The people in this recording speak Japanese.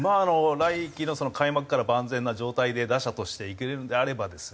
来季の開幕から万全な状態で打者としていけるのであればですね